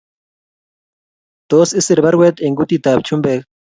Tos, isiir baruet eng kutitab chumbek?